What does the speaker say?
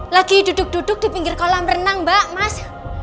lagi duduk duduk di pinggir kolam renang mbak mas